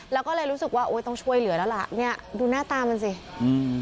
แล้วก็เลยรู้สึกว่าโอ้ยต้องช่วยเหลือแล้วล่ะเนี้ยดูหน้าตามันสิอืม